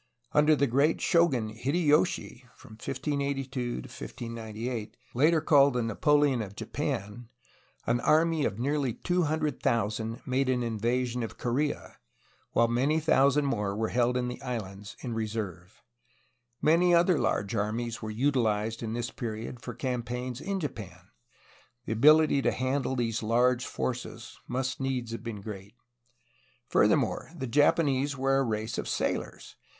Under the great shogun Hideyoshi (1582 1598), later called ''the Napoleon of Japan, ^' an army of nearly 200,000 made an invasion of Korea, while many thousand more were held in the islands in reserve. Many other large armies were utilized in this period for campaigns in Japan. The ability to handle these large forces must needs have been great. Furthermore, the Japanese were a race of sailors.